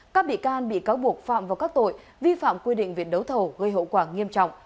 các bị can bị cáo buộc phạm vào các tội vi phạm quy định viện đấu thầu gây hậu quả nghiêm trọng